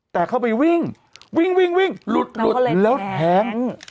แต่เขาไปวิ่งวิ่งลุดแล้วทง